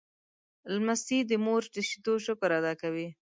لمسی د مور د شیدو شکر ادا کوي.